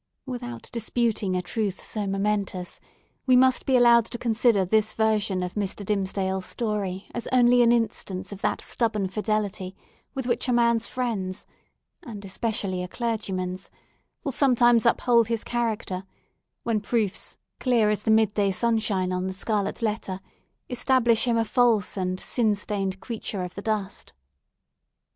Without disputing a truth so momentous, we must be allowed to consider this version of Mr. Dimmesdale's story as only an instance of that stubborn fidelity with which a man's friends—and especially a clergyman's—will sometimes uphold his character, when proofs, clear as the mid day sunshine on the scarlet letter, establish him a false and sin stained creature of the dust.